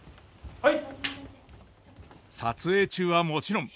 はい。